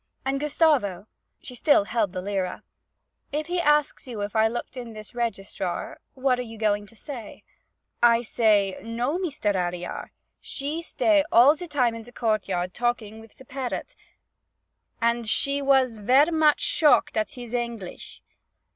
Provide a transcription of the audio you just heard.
And Gustavo' she still held the lira 'if he asks you if I looked in this register, what are you going to say?' 'I say, "No, Meestair Ailyar, she stay all ze time in ze courtyard talking wif ze parrot, and she was ver' moch shocked at his Angleesh."'